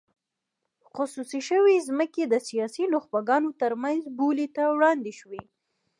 خصوصي شوې ځمکې د سیاسي نخبګانو ترمنځ بولۍ ته وړاندې شوې.